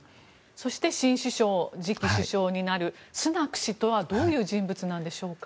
そして、新首相次期首相になるスナク氏とはどんな人物なんでしょうか。